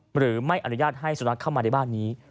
หรือไม่อนุญาตให้สุนัขเข้ามาในบ้านนี้